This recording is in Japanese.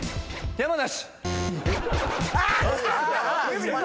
⁉山梨。